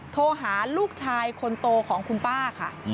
โทรหาลูกชายคนโตของคุณป้าค่ะ